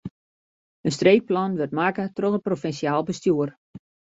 In streekplan wurdt makke troch it provinsjaal bestjoer.